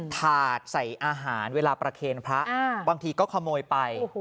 ถาดใส่อาหารเวลาประเคนพระบางทีก็ขโมยไป